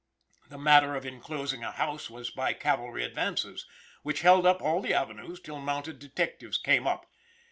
The matter of inclosing a house was by cavalry advances, which held all the avenues till mounted detectives came up.